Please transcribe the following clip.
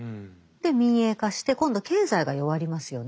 民営化して今度経済が弱りますよね。